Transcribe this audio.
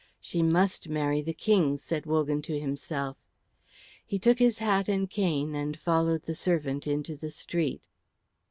"She must marry the King," said Wogan to himself. He took his hat and cane, and followed the servant into the street.